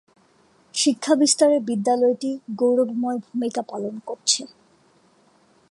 শিক্ষা বিস্তারে বিদ্যালয়টি গৌরবময় ভূমিকা পালন করছে।